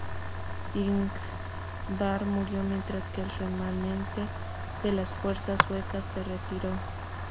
Ingvar murió mientras que el remanente de las fuerzas suecas se retiró.